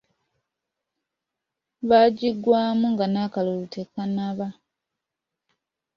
Baagigwamu nga n'akalulu tekannaba.